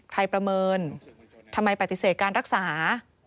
ประเมินทำไมปฏิเสธการรักษา